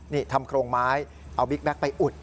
นี่ทำโครงไม้เอาบิ๊กแก๊กไปอุด